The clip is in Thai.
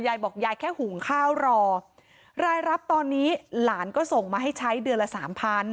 ยายบอกยายแค่หุงข้าวรอรายรับตอนนี้หลานก็ส่งมาให้ใช้เดือนละสามพัน